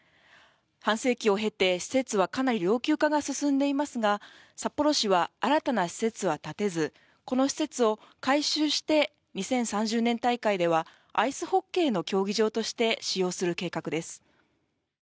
半世紀を経て、施設はかなり老朽化が進んでいますが札幌市は新たな施設は建てず、この施設を改修して２０３０年大会ではアイスホッケーの競技場として使用する計画です。